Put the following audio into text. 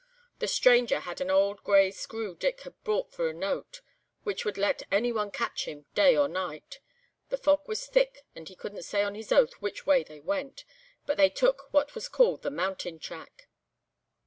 The stranger had an old grey screw Dick had bought for a note, which would let any one catch him, night or day. The fog was thick, and he couldn't say on his oath which way they went, but they took what was called the 'mountain track.